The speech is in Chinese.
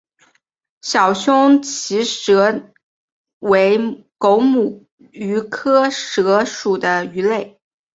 小胸鳍蛇鲻为狗母鱼科蛇鲻属的鱼类。